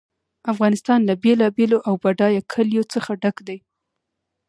افغانستان له بېلابېلو او بډایه کلیو څخه ډک دی.